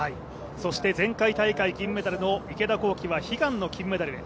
そして前回大会銀メダルの池田向希は悲願の金メダルへ。